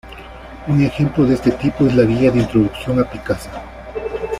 Un ejemplo de este tipo es la guía de introducción a "Picasa".